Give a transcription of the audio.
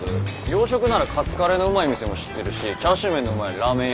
洋食ならカツカレーのうまい店も知ってるしチャーシュー麺のうまいラーメン屋も知ってます。